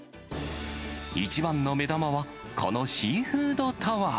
一番の目玉は、このシーフードタワー。